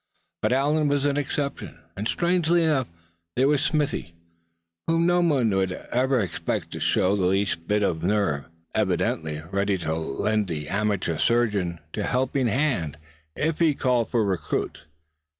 But Allan was an exception; and strangely enough, there was Smithy, whom no one would ever have expected to show the least bit of nerve, evidently ready to lend the amateur surgeon a helping hand, if he called for recruits.